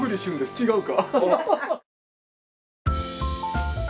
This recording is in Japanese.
違うか。